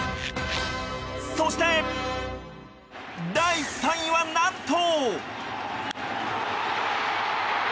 そして、第３位は何と。